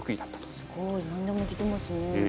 すごい。何でもできますね。